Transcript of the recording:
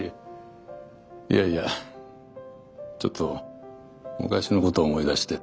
いやいやちょっと昔のことを思い出してて。